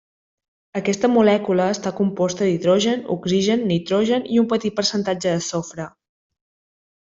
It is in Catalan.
Aquesta molècula està composta d'hidrogen, oxigen, nitrogen i un petit percentatge de sofre.